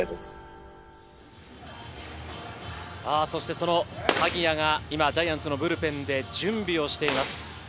その鍵谷が今ジャイアンツのブルペンで準備をしています。